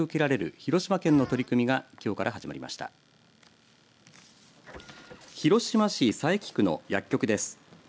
広島市佐伯区の薬局です。